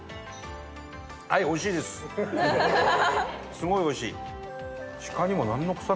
すごい美味しい。